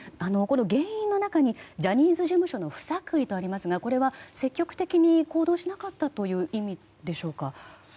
原因の中にジャニーズ事務所の不作為とありますがこれは、積極的に行動しなかったという意味でしょうか。